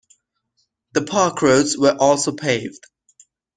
The park roads were also paved.